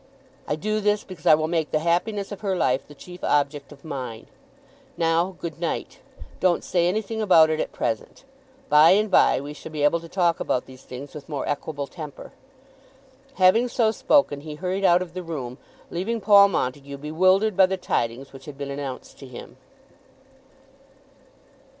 I do this because I will make the happiness of her life the chief object of mine. Now good night. Don't say anything about it at present. By and by we shall be able to talk about these things with more equable temper." Having so spoken he hurried out of the room, leaving Paul Montague bewildered by the tidings which had been announced to him.